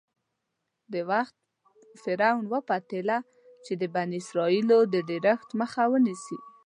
د وخت فرعون وپتېیله چې د بني اسرایلو د ډېرښت مخه ونیسي.